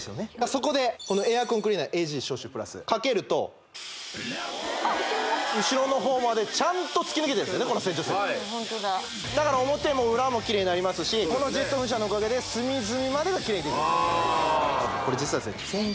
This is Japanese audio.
そこでこのエアコンクリーナーＡｇ消臭プラスかけるとあっ後ろが後ろの方までちゃんと突き抜けてるんですホントだだから表も裏もキレイになりますしこのジェット噴射のおかげで隅々までがキレイにこれ実はですね